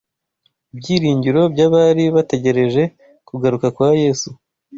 Ibyiringiro by’abari bategereje kugaruka kwa Yesu